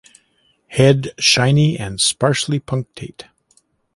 Head shiny and sparsely punctate.